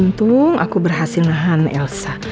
untung aku berhasil nahan elsa